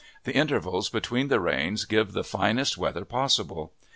The intervals between the rains give the finest weather possible.